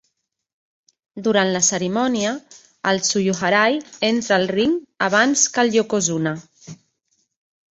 Durant la cerimònia, el "tsuyuharai" entra al ring abans que el "yokozuna".